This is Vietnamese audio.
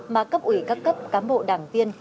mà cấp ủy các cấp cán bộ đảng viên